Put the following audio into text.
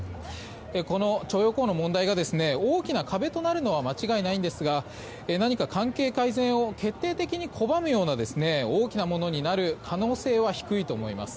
この徴用工問題が大きな壁となるのは間違いないんですが何か関係改善を決定的に拒むような大きなものになる可能性は低いと思います。